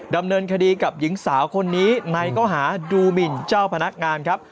ดำเนินคดีกับหญิงสาวคนนี้ในข้อหาดูหมินเจ้าพนักงานครับ